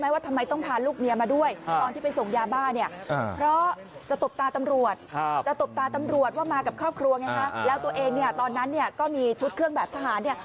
ว่ามากับครอบครัวไงคะแล้วตัวเองเนี่ยตอนนั้นเนี่ยก็มีชุดเครื่องแบบทหารเนี่ย